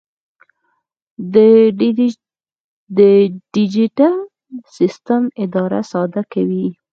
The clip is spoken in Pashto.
دا ډیجیټل سیسټم اداره ساده کوي.